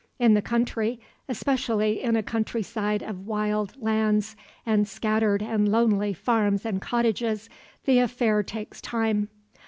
In the country, especially in a countryside of wild lands and scattered and lonely farms and cottages, the affair takes time.